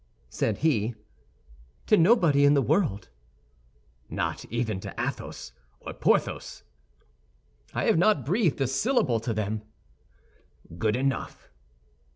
said he. "To nobody in the world." "Not even to Athos or Porthos?" "I have not breathed a syllable to them." "Good enough!"